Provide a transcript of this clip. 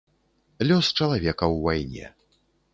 Лёс чалавека ў вайне.